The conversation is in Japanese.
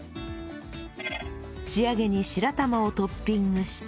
仕上げに白玉をトッピングして